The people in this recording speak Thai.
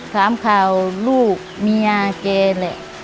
ถามข่าวลูกเมียแกแหละ